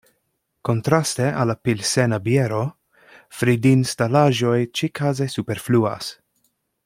Kontraste al la pilsena biero, fridinstalaĵoj ĉi-kaze superfluas.